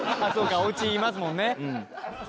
お家にいますもんね。